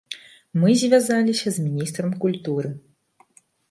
Мы звязаліся з міністрам культуры.